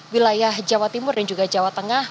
wilayah jawa timur dan juga jawa tengah